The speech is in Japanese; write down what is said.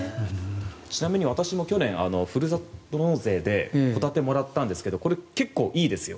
ちなみに私も去年ふるさと納税でホタテをもらったんですがこれ、結構いいですよ。